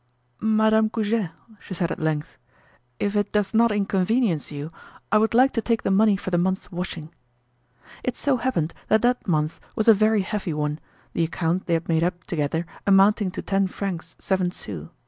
"Madame Goujet," she said at length, "if it does not inconvenience you, I would like to take the money for the month's washing." It so happened that that month was a very heavy one, the account they had made up together amounting to ten francs, seven sous.